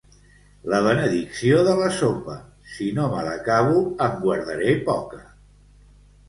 La benedicció de la sopa, si no me l'acabo, en guardaré poca.